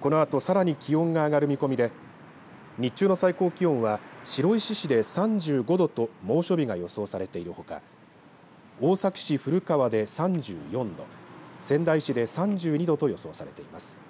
このあとさらに気温が上がる見込みで日中の最高気温は白石市で３５度と猛暑日が予想されているほか大崎市古川で３４度仙台市で３２度と予想されています。